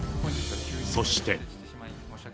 そして。